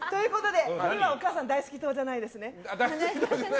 これはお母さん大好き党じゃないですね。